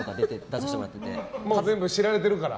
全部知られてるから。